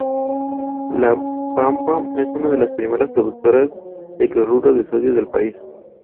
La Pampa es una de las primeras productoras de cloruro de sodio del país.